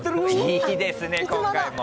いいですね、今回も。